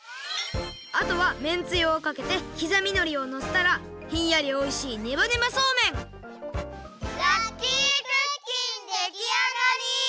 あとはめんつゆをかけてきざみのりをのせたらひんやりおいしいラッキークッキンできあがり！